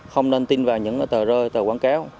không nên tin vào những tờ rơi tờ quảng cáo